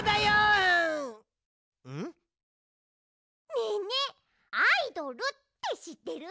ねえねえアイドルってしってる？